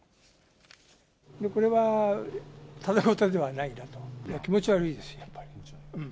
これはただ事ではないなと思って、気持ち悪いですよ、やっぱり。